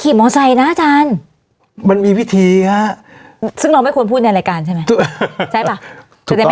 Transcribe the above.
ขี่ม้อใสนะอาจารย์มันมีวิธีครับซึ่งน้องไม่ควรพูดในรายการใช่ไหม